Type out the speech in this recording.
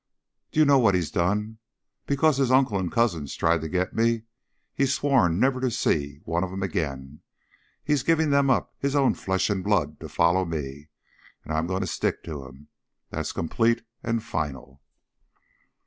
Do you know what he's done? Because his uncle and cousins tried to get me, he's sworn never to see one of 'em again. He's given them up his own flesh and blood to follow me, and I'm going to stick to him. That's complete and final."